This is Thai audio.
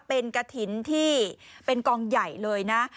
เป็นกระถิ่นที่เป็นกองใหญ่เลยนะ